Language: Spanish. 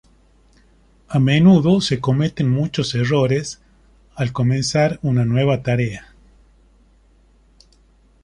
A menudo se cometen muchos errores al comenzar una nueva tarea.